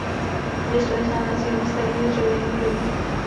Město je známé svými starými dřevěnými domy.